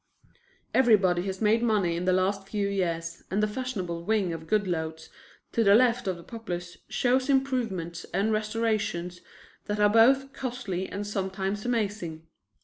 Everybody has made money in the last few years, and the fashionable wing of Goodloets to the left of the Poplars shows improvements and restorations that are both costly and sometimes amazing.